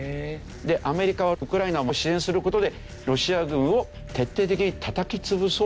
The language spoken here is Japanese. でアメリカはウクライナも支援する事でロシア軍を徹底的にたたきつぶそうと考えている。